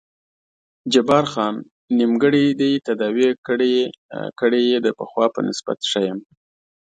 جبار خان: نیمګړی دې تداوي کړی یې، د پخوا په نسبت ښه یم.